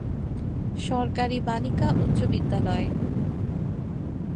সরকারি বালিকা উচ্চবিদ্যালয়।